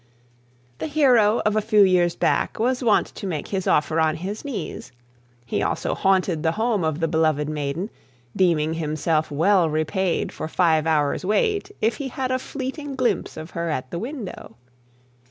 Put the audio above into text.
The hero of a few years back was wont to make his offer on his knees. He also haunted the home of the beloved maiden, deeming himself well repaid for five hours wait if he had a fleeting glimpse of her at the window.